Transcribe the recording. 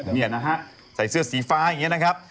เนี่ยนะฮะใส่เสื้อสีฟ้าอย่างนี้นะครับ